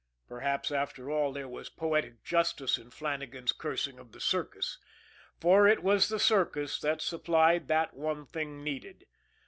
Perhaps, after all, there was poetic justice in Flannagan's cursing of the circus, for it was the circus that supplied that one thing needed.